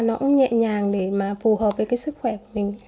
nó cũng nhẹ nhàng để mà phù hợp với cái sức khỏe của mình